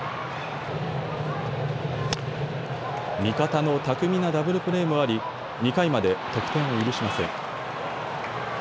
味方の巧みなダブルプレーもあり、２回まで得点を許しません。